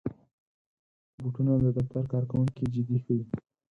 بوټونه د دفتر کارکوونکي جدي ښيي.